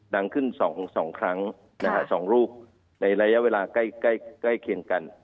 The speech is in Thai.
ดังขึ้น๒ครั้ง๒รูปในระยะเวลาใกล้เคียงกัน